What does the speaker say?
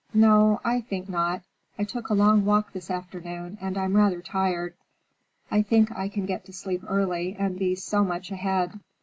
"No, I think not. I took a long walk this afternoon and I'm rather tired. I think I can get to sleep early and be so much ahead.